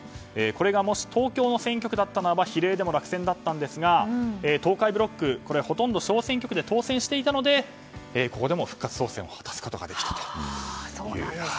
これがもし東京の選挙区だったら比例でも落選だったんですが東海ブロックはほとんど小選挙区で当選していたのでここでも復活当選を果たすことができたという。